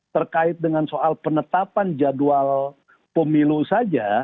terkait dengan soal penetapan jadwal pemilu saja